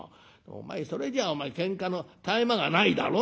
お前それじゃお前けんかの絶え間がないだろ」。